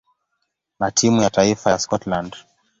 na timu ya taifa ya Scotland.